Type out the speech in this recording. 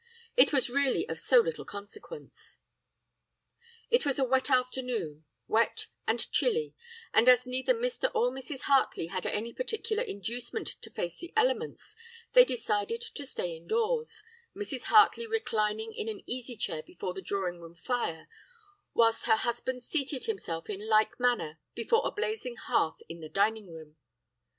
It was really of so little consequence. "It was a wet afternoon wet and chilly, and as neither Mr. or Mrs. Hartley had any particular inducement to face the elements, they decided to stay indoors, Mrs. Hartley reclining in an easy chair before the drawing room fire whilst her husband seated himself in like manner before a blazing hearth in the dining room.